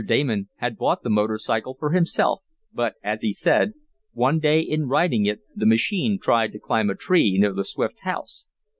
Damon had bought the motor cycle for himself, but, as he said, one day in riding it the machine tried to climb a tree near the Swift house.